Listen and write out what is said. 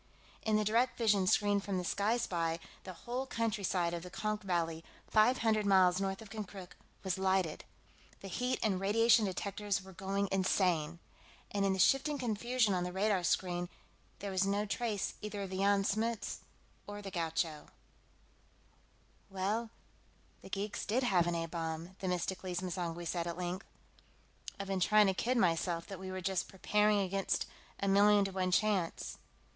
In the direct vision screen from the Sky Spy, the whole countryside of the Konk Valley, five hundred miles north of Konkrook, was lighted. The heat and radiation detectors were going insane. And in the shifting confusion on the radar screen, there was no trace either of the Jan Smuts or the Gaucho. "Well, the geeks did have an A bomb," Themistocles M'zangwe said, at length. "I'd been trying to kid myself that we were just preparing against a million to one chance.